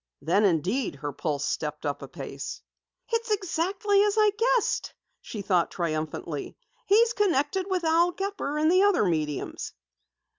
Then, indeed, her pulse stepped up a pace. "It's exactly as I guessed!" she thought triumphantly. "He's connected with Al Gepper and the other mediums!"